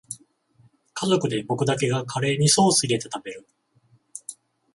家族で僕だけがカレーにソースいれて食べる